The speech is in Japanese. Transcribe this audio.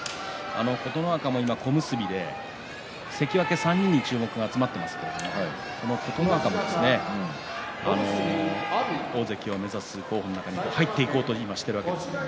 琴ノ若も今小結で関脇３人に注目が集まっていますけれども琴ノ若も大関を目指す候補の中に入っていこうと今してるわけです。